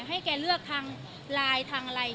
ให้แกเลือกทางไลน์ทางอะไร